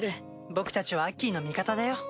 僕たちはアッキーの味方だよ。